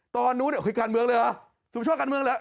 ตอนนู้นคือการเมืองเลยหรอสุมช่วยการเมืองเลย